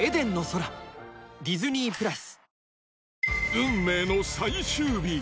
運命の最終日。